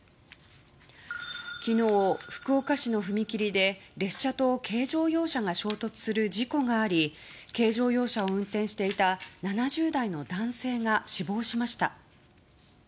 昨日、福岡市の踏切で列車と軽乗用車が衝突する事故があり軽乗用車を運転していた７０代の男性が死亡しました。